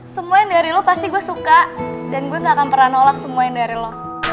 semua yang dari lo pasti gue suka dan gue gak akan pernah nolak semua yang dari lo